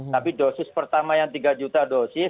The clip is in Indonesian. tapi dosis pertama yang tiga juta dosis